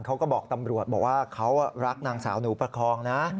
เขาก็บอกตำรวจบอกว่าเขารักนางสาวหนูประคองนะ